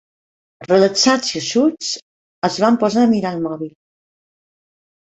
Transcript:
Relaxats i eixuts, es van posar a mirar el mòbil.